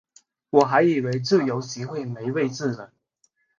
我还以为自由席会没位子